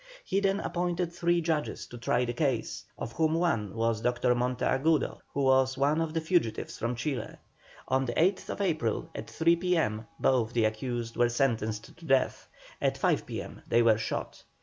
He then appointed three judges to try the case, of whom one was Dr. Monteagudo, who was one of the fugitives from Chile. On the 8th April at 3 P.M. both the accused were sentenced to death; at 5 P.M. they were shot.